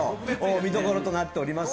見どころとなっております。